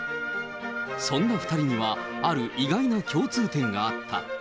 そんな２人には、ある意外な共通点があった。